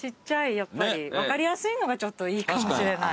やっぱり分かりやすいのがちょっといいかもしれない。